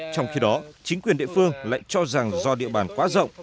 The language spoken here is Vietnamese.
trong khi đó chính quyền địa phương lại cho rằng do địa bàn quá rộng